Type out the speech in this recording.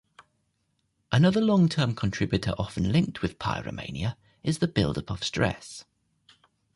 Another long term contributor often linked with pyromania is the buildup of stress.